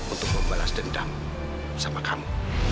untuk membalas dendam sama kamu